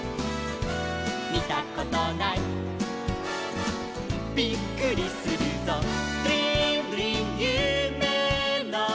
「みたことないびっくりするぞ」